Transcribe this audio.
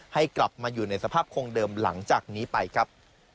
ให้กลับมาอยู่ในสภาพคงเดิมหลังจากนี้ไปครับ